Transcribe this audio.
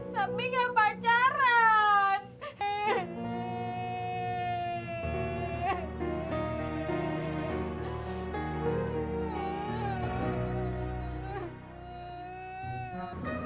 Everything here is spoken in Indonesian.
tapi gak pacaran